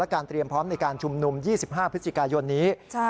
เตรียมพร้อมในการชุมนุม๒๕พฤศจิกายนนี้